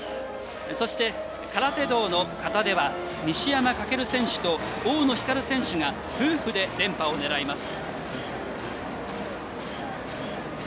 そして、空手道の形では西山走選手と大野ひかる選手が夫婦で連覇を狙います。